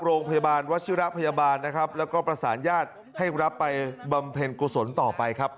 โรงพยาบาลวัชิระพยาบาลนะครับแล้วก็ประสานญาติให้รับไปบำเพ็ญกุศลต่อไปครับ